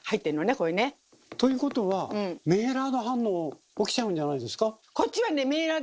これね。ということはメイラード反応起きちゃうんじゃないですか？